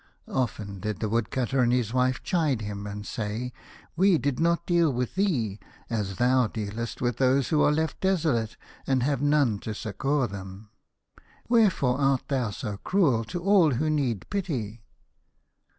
Often did the Woodcutter and his wife chide him, and say: "We did not deal with thee as thou dealest with those who are left desolate, and have none to succour them. Wherefore art thou so cruel to all who need pity